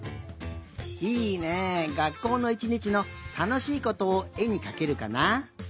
いいねがっこうのいちにちのたのしいことをえにかけるかな？